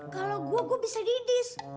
kalau gue gue bisa di diss